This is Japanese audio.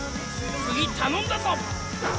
次頼んだぞ。